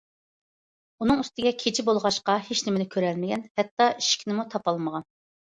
ئۇنىڭ ئۈستىگە كېچە بولغاچقا ھېچنېمىنى كۆرەلمىگەن، ھەتتا ئىشىكنىمۇ تاپالمىغان.